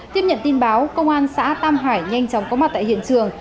tiếp nhận tin báo công an xã tam hải nhanh chóng có mặt tại hiện trường